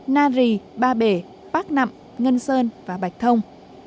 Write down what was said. na rì ba bể bắc nậm ngân sơn và bạch thông